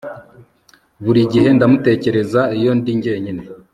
Buri gihe ndamutekereza iyo ndi jyenyine